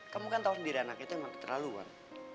kamu kan tau sendiri anak itu emang keterlaluan